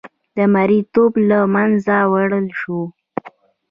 د مریې توب له منځه وړل وشو.